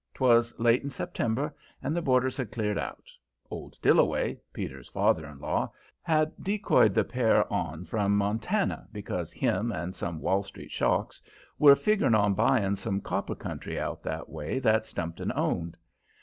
'Twas late in September, and the boarders had cleared out. Old Dillaway Peter's father in law had decoyed the pair on from Montana because him and some Wall Street sharks were figgering on buying some copper country out that way that Stumpton owned.